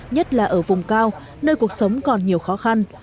nhất là ở vùng cao nơi cuộc sống còn nhiều khó khăn